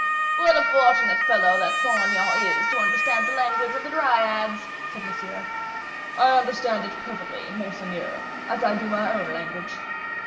"What a fortunate fellow this Saint Aignan is to understand the language of the Dryads," said Monsieur. "I understand it perfectly, monseigneur, as I do my own language."